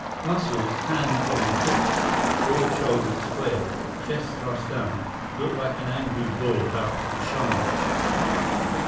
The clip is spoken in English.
Muscles, hands on hips, broad shoulders squared, chest thrust out, looked like an angry bull about to charge.